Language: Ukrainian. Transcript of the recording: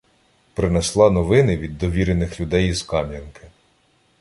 Принесла новини від довірених людей із Кам'янки.